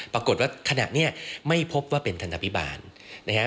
ปรากฏว่าขณะนี้ไม่พบว่าเป็นทันตาพิบาลนะฮะ